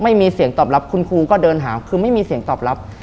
ไม่มีเสียงตอบรับคุณครูก็เดินหาคือไม่มีเสียงตอบรับ